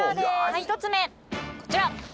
１つ目こちら。